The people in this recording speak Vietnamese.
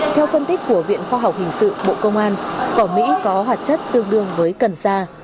theo phân tích của viện khoa học hình sự bộ công an quả mỹ có hoạt chất tương đương với cần sa